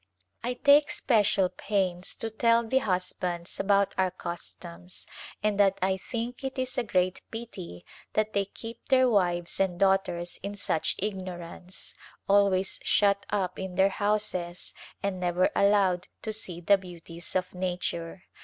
I take special pains to tell the husbands about our customs, and that 1 think it a great pity that they keep their wives and daughters in such ignorance, always shut up in their houses and never allowed to see the beauties of nature.